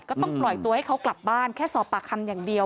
ก็ต้องปล่อยตัวให้เขากลับบ้านแค่สอบปากคำอย่างเดียว